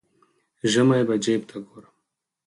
ژمی به جیب ته ګورم.